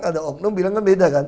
ada oknum bilang kan beda kan